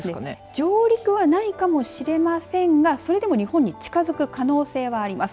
上陸はないかもしれませんがそれでも日本に近づく可能性はあります。